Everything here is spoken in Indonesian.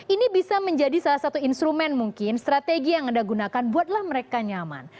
ini bisa menjadi salah satu instrumen mungkin strategi yang anda gunakan buatlah mereka nyaman